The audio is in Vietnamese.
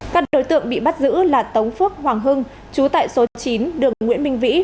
các đối tượng bị bắt giữ là tống phước hoàng hưng chú tại số chín đường nguyễn minh vĩ